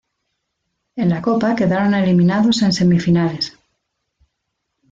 En la Copa quedaron eliminados en semifinales.